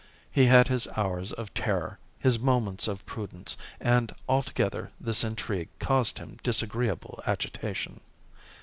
He had his hours of terror, his moments of prudence, and, altogether this intrigue caused him disagreeable agitation.